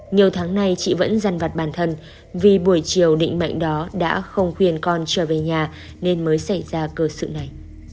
nhiều tháng nay chị vẫn răn vặt bản thân vì buổi chiều định mệnh đó đã không khuyên con trở về nhà nên mới xảy ra cơ sự này